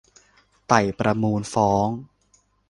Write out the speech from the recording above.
ไต่สวนมูลฟ้อง